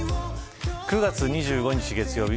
９月２５日月曜日